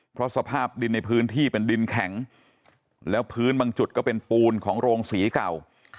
เพราะสภาพดินในพื้นที่เป็นดินแข็งแล้วพื้นบางจุดก็เป็นปูนของโรงศรีเก่า